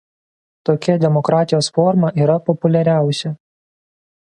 Tokia demokratijos forma yra populiariausia.